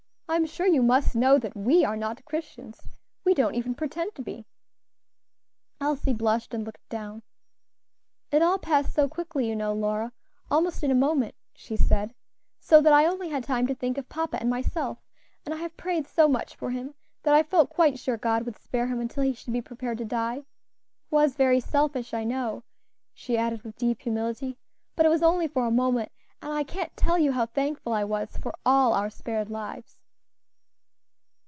I'm sure you must know that we are not Christians; we don't even pretend to be." Elsie blushed and looked down. "It all passed so quickly, you know, Lora, almost in a moment," she said, "so that I only had time to think of papa and myself; and I have prayed so much for him that I felt quite sure God would spare him until he should be prepared to die. It was very selfish, I know," she added with deep humility; "but it was only for a moment, and I can't tell you how thankful I was for all our spared lives."